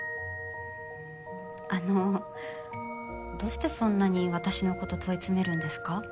あのどうしてそんなに私のこと問い詰めるんですか？